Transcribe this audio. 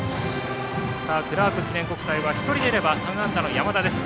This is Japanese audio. クラーク記念国際は１人出れば３安打の山田です。